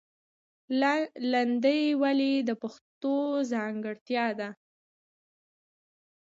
لندۍ ولې د پښتو ځانګړتیا ده؟